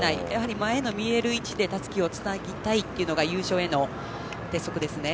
前の見える位置でたすきをつなぎたいというのが優勝への鉄則ですね。